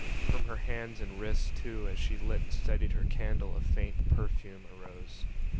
From her hands and wrists too as she lit and steadied her candle a faint perfume arose.